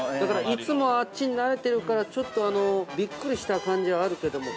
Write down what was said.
◆いつもあっちに慣れてるからびっくりした感じはあるけども。